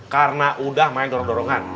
karena udah main dorong dorongan